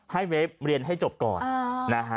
ให้เวฟเรียนให้จบก่อน